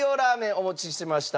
お持ちしました。